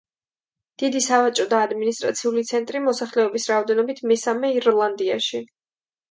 დიდი სავაჭრო და ადმინისტრაციული ცენტრი, მოსახლეობის რაოდენობით მესამე ირლანდიაში.